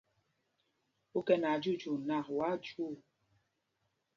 Ú kɛ nɛ ajyuujyuu nak, wá á jyuu.